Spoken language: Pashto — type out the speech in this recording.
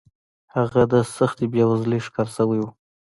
هغه د سختې بېوزلۍ ښکار شوی و.